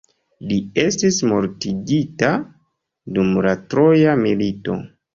Li estis mortigita dum la troja milito.